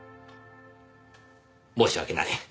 申し訳ない。